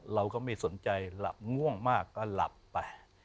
เราก็ไม่สนใจหลับง่วงมากก็หลับไป